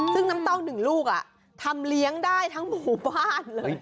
ซึ่งน้ำเต้าหนึ่งลูกทำเลี้ยงได้ทั้งหมู่บ้านเลย